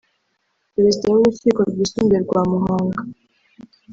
perezida w’urukiko rwisumbuye rwa Muhanga